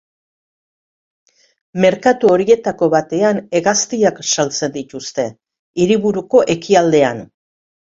Merkatu horietako batean hegaztiak saltzen dituzte, hiriburuko ekialdean.